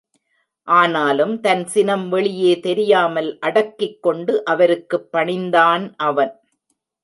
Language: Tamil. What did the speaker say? ஆனாலும், தன் சினம் வெளியே தெரியாமல் அடக்கிக் கொண்டு அவருக்குப் பணிந்தான் அவன்.